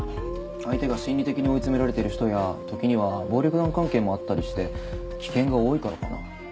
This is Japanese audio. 相手が心理的に追い詰められてる人や時には暴力団関係もあったりして危険が多いからかな？